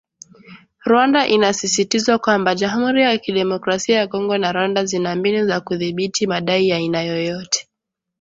Rwanda inasisitizwa kwamba “Jamuhuri ya Kidemokrasia ya Kongo na Rwanda zina mbinu za kuthibitisha madai ya aina yoyote"